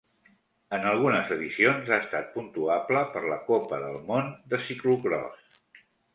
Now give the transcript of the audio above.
En algunes edicions ha estat puntuable per la Copa del món de ciclocròs.